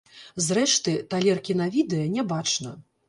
Зрэшты, талеркі на відэа не бачна.